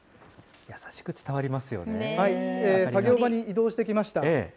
作業場に移動してきました。